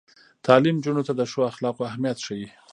تعلیم نجونو ته د ښو اخلاقو اهمیت ښيي.